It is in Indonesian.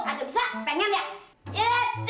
agak bisa pengen ya